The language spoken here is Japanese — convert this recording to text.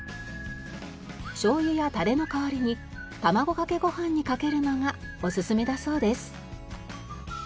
しょうゆやタレの代わりに卵かけご飯にかけるのがおすすめだそうです。